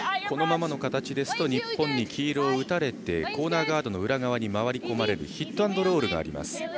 このままの形だと日本に黄色を打たれてコーナーガードの裏側に回り込まれるヒットアンドロールがあります。